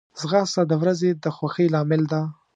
ځغاسته د ورځې د خوښۍ لامل ده